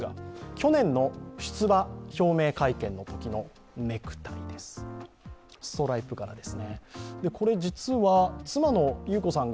去年の出馬表明会見のときのネクタイ、ストライプ柄です。